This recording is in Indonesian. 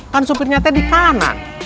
kan supirnya tadi kanan